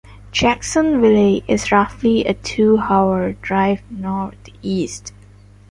Jacksonville is roughly a two-hour drive northeast.